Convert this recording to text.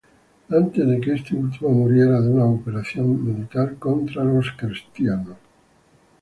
Antes de que este último muriera en una operación militar contra los cristianos.